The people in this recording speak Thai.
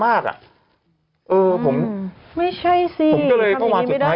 ไม่ใช่สิบางมีในไม่ได้สิผมก็เลยก็ว่าสุดท้าย